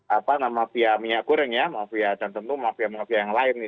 apa namanya mafia minyak goreng ya mafia dan tentu mafia mafia yang lain nih